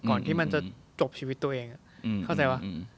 ก่อนที่มันจะจบชีวิตตัวเองเข้าใจว่า